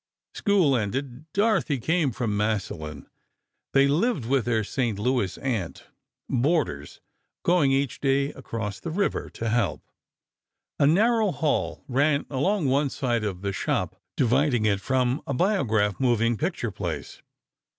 School ended ... Dorothy came from Massillon. They lived with their St. Louis aunt, boarders, going each day across the river, to help. A narrow hall ran along one side of the shop, dividing it from a "Biograph" moving picture place.